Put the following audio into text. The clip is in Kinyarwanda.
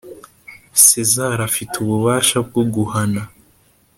sezar afite ububasha bwo guhana